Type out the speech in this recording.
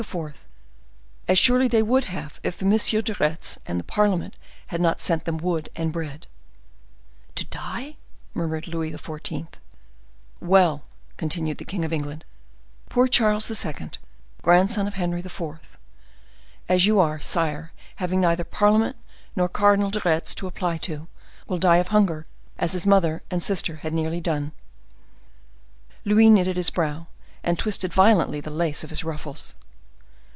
—as surely they would have if M. de Retz and the parliament had not sent them wood and bread." "To die?" murmured Louis XIV. "Well!" continued the king of England, "poor Charles II., grandson of Henry IV., as you are, sire having neither parliament nor Cardinal de Retz to apply to, will die of hunger, as his mother and sister had nearly done." Louis knitted his brow, and twisted violently the lace of his ruffles.